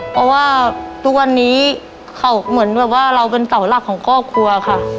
เพราะว่าทุกวันนี้เขาเหมือนแบบว่าเราเป็นเสาหลักของครอบครัวค่ะ